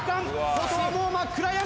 外はもう真っ暗闇！